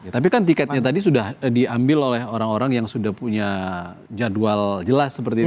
tapi kan tiketnya tadi sudah diambil oleh orang orang yang sudah punya jadwal jelas seperti itu